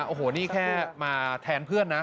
โอ้โหนี่แค่มาแทนเพื่อนนะ